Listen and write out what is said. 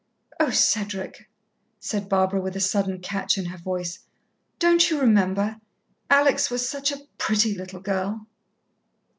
"Oh, Cedric," said Barbara with a sudden catch in her voice. "Don't you remember Alex was such a pretty little girl!"